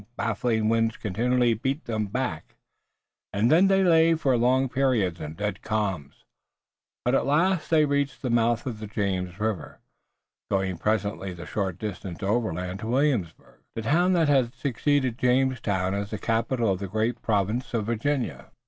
Baffling winds continually beat them back, and, then they lay for long periods in dead calms, but at last they reached the mouth of the James, going presently the short distance overland to Williamsburg, the town that had succeeded Jamestown as the capital of the great province of Virginia.